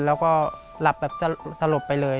แล้วก็หลับแบบสลบไปเลย